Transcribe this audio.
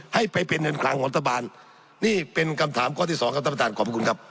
ให้ไปเป็นเงินคลังรัฐบาลนี่เป็นกำถามข้อที่๒ครับต่างขอบคุณครับ